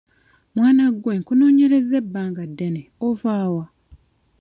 Mwana gwe nkunoonyerezza ebbanga ddene ova wa?